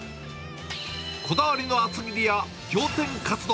こだわりの厚切りや仰天カツ丼。